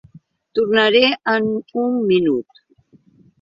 Tornaré en un minut.